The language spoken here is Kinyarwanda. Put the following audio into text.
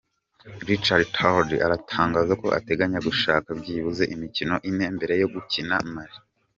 Richard Tardy aratangaza ko ateganya gushaka byibuze imikino ine mbere yo gukina Mali.